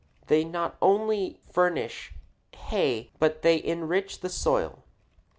They not only furnish hay but they enrich the soil.